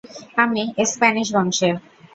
আমি স্প্যানিশ বংশের।